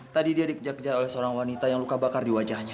tadi dia dikejar kejar oleh seorang wanita yang luka bakar di wajahnya